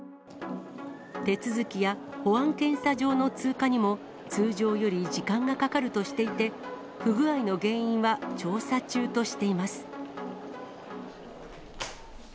手続きや保安検査場の通過にも、通常より時間がかかるとしていて、不具合の原因は調査中としています。